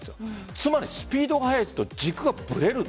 つまりスピードが速いと軸がぶれる。